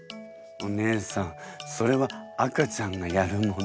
お姉さんそれは赤ちゃんがやるもの。